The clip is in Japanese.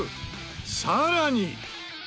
さらに。